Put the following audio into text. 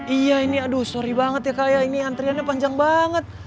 iya ini aduh sorry banget ya kak ya ini antriannya panjang banget